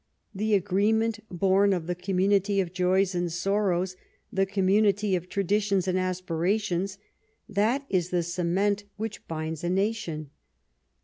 The agreement born of the community of joys and sorrows, the community of traditions and aspirations — that is the cement which binds a nation.